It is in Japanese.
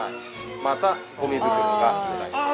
また、ごみ袋が。